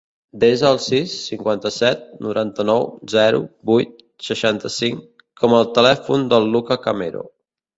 Desa el sis, cinquanta-set, noranta-nou, zero, vuit, seixanta-cinc com a telèfon del Luka Camero.